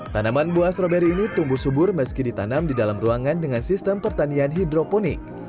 tanaman buah stroberi ini tumbuh subur meski ditanam di dalam ruangan dengan sistem pertanian hidroponik